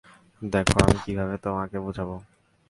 দেখ, আমি কিভাবে তোমাকে বুঝাবো?